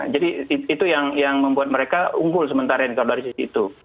jadi itu yang membuat mereka unggul sementara dari sisi itu